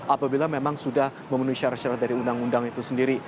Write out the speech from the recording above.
apabila memang sudah memenuhi syarat syarat dari undang undang itu sendiri